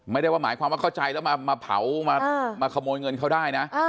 ไม่ได้ว่าหมายความว่าเข้าใจแล้วมาเผามาขโมยเงินเขาได้นะ